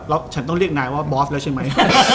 แล้วฉันต้องเรียกนายว่าบอสแล้วใช่ไหม